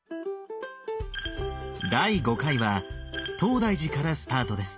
第５回は東大寺からスタートです。